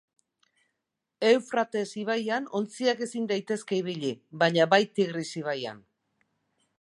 Eufrates ibaian ontziak ezin daitezke ibili, baina bai Tigris ibaian.